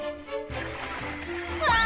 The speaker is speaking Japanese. うわ！